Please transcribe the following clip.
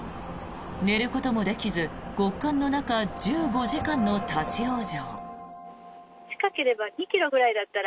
寝ることもできず、極寒の中１５時間の立ち往生。